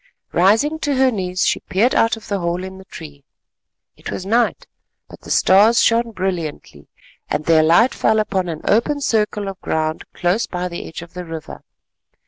Rising to her knees she peered out of the hole in the tree. It was night, but the stars shone brilliantly, and their light fell upon an open circle of ground close by the edge of the river.